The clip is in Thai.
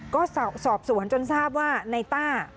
ก็สอบสวนจนทราบว่าในต้า